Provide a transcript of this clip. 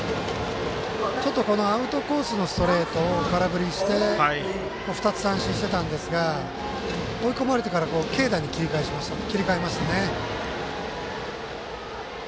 ちょっと、アウトコースのストレートを空振りして２つ三振してたんですが追い込まれてから軽打に切り替えましたね。